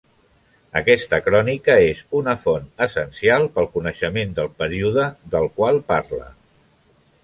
Aquesta crònica és una font essencial pel coneixement del període del qual parla.